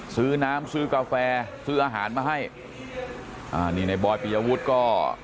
ซื้อน้ำซื้อกาแฟซื้ออาหารมาให้อ่านี่ในบอยปียวุฒิก็